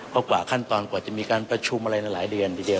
เพราะกว่าขั้นตอนกว่าจะมีการประชุมอะไรหลายเดือนทีเดียว